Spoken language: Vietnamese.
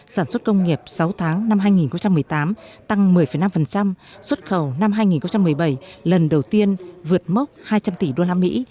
sản xuất công nghiệp sáu tháng năm hai nghìn một mươi tám tăng một mươi năm xuất khẩu năm hai nghìn một mươi bảy lần đầu tiên vượt mốc hai trăm linh tỷ usd